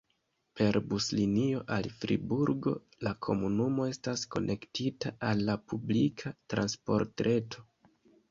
Per buslinio al Friburgo la komunumo estas konektita al la publika transportreto.